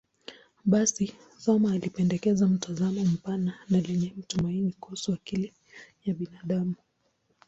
Basi, Thoma alipendekeza mtazamo mpana na lenye tumaini kuhusu akili ya binadamu.